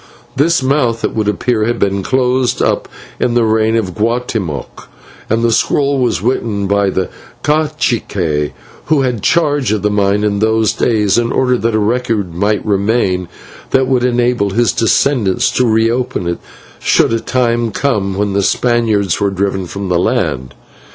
This mouth, it would appear, had been closed up in the reign of Guatemoc, and the scroll was written by the /cacique/ who had charge of the mine in those days, in order that a record might remain that would enable his descendants to reopen it, should a time come when the Spaniards were driven from the land.